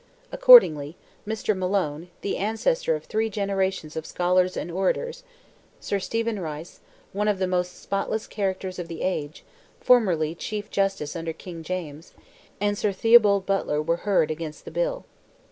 Accordingly, Mr. Malone, the ancestor of three generations of scholars and orators, Sir Stephen Rice, one of the most spotless characters of the age, formerly chief justice under King James, and Sir Theobald Butler, were heard against the bill.